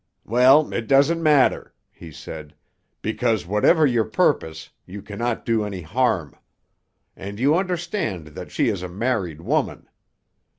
"Well, it doesn't matter," he said, "because, whatever your purpose, you cannot do any harm. And you understand that she is a married woman.